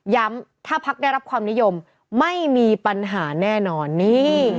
ถ้าพักได้รับความนิยมไม่มีปัญหาแน่นอนนี่